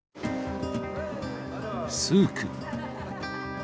スーク。